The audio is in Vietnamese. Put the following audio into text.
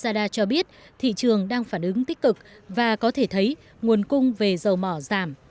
ông al sadar cho biết thị trường đang phản ứng tích cực và có thể thấy nguồn cung về dầu mò giảm